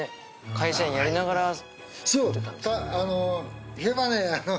会社員やりながら指導を受けたんですか？